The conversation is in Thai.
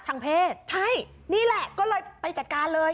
ทางเพศใช่นี่แหละก็เลยไปจัดการเลย